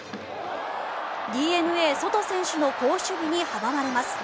ＤｅＮＡ、ソト選手の好守備に阻まれます。